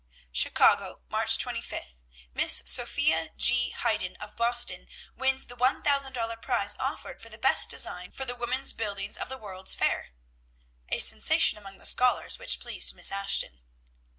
"'Chicago, March 25. Miss Sophia G. Hayden of Boston wins the one thousand dollar prize offered for the best design for the woman's buildings of the World's Fair.'" (A sensation among the scholars, which pleased Miss Ashton).